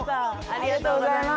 ありがとうございます。